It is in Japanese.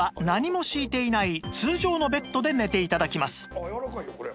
ああやわらかいよこれ。